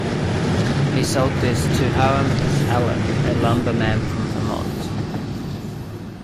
He sold this to Hiram S. Allen, a lumberman from Vermont.